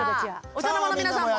お茶の間の皆さんも。